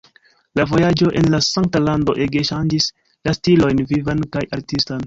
La vojaĝo en la Sankta Lando ege ŝanĝis la stilojn vivan kaj artistan.